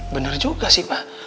bener juga sih pak